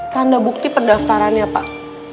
tanda bukti pendaftarannya pak